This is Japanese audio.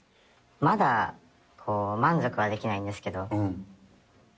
まだ満足はできないんですけ